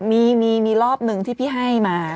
มีมีรอบหนึ่งที่พี่ให้มา